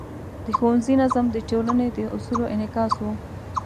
د ښوونځي نظم د ټولنې د اصولو انعکاس و.